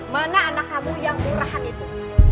mana anak kamu yang kelurahan itu